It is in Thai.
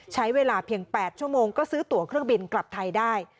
ใช้เวลาเพียง๘ชั่วโมงก็ซื้อตัวเครื่องบินกลับไทยได้